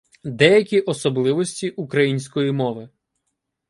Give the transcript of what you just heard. Деякі особливості української мови